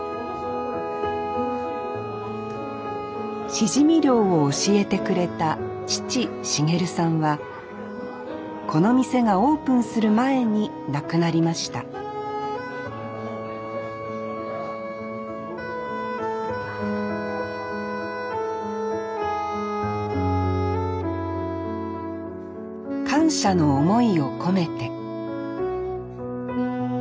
しじみ漁を教えてくれた父繁さんはこの店がオープンする前に亡くなりました感謝の思いを込めて。